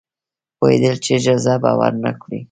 پوهېدل چې اجازه به ورنه کړي.